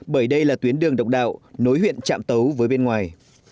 bởi đây là tuyến đường độc đạo nối huyện trạm tấu với bên ngoài